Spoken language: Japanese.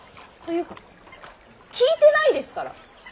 というか聞いてないですから。